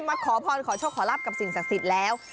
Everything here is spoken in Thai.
ขอพรขอโชคขอรับกับสิ่งศักดิ์สิทธิ์แล้ว